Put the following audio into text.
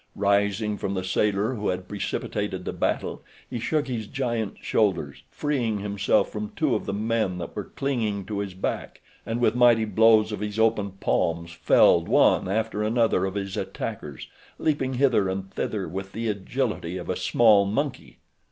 Rising from the sailor who had precipitated the battle he shook his giant shoulders, freeing himself from two of the men that were clinging to his back, and with mighty blows of his open palms felled one after another of his attackers, leaping hither and thither with the agility of a small monkey.